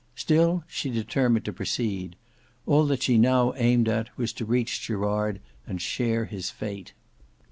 Still she determined to proceed. All that she now aimed at was to reach Gerard and share his fate.